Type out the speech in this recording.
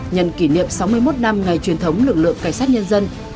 nhân kỷ niệm sáu mươi một năm ngày truyền thống lực lượng cảnh sát nhân dân